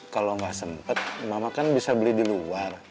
kalau nggak sempat mama kan bisa beli di luar